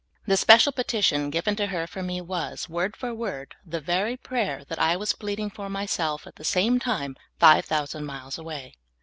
This special petition given to her for me was, w^ord for word, the very prayer that I was pleading for myself at the same time, five thou sand miles away.